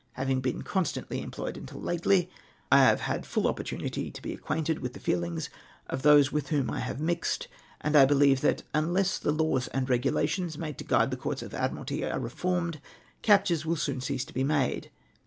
Having been constantly employed until lately, I have had full opportunity to be acquainted with the feelings of those with whom I have mixed, and I believe that, unless the laws and regulations made to guide the Courts of Admiralty are reformed, cap tures will soon cease to be made.